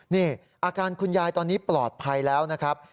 นี่อาการคุณยายตอนนี้ปลอดภัยแล้วนะครับ